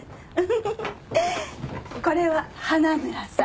はいこれは花村さん。